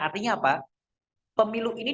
artinya apa pemilu ini